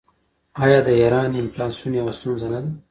آیا د ایران انفلاسیون یوه ستونزه نه ده؟